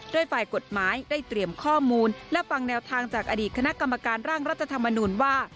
โดยฝ่ายกฎหมายได้เตรียมข้อมูลและฟังแนวทางจากอดีตคณะกรรมการร่างรัฐธรรมนูญว่า